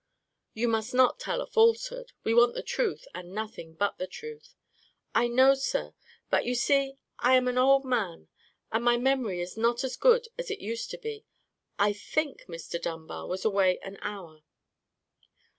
"You must not tell a falsehood. We want the truth, and nothing but the truth." "I know, sir; but you see I am an old man, and my memory is not as good as it used to be. I think Mr. Dunbar was away an hour."